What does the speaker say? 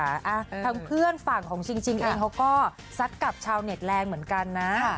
ทางเพื่อนฝั่งของจริงเองเขาก็ซัดกับชาวเน็ตแรงเหมือนกันนะ